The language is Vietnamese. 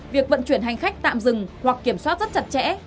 việc vận chuyển hành khách tạm dừng hoặc kiểm soát rất chặt chẽ